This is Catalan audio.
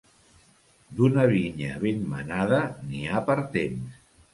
D'una vinya ben menada n'hi ha per temps.